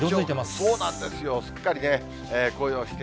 そうなんですよ、すっかりね、紅葉して。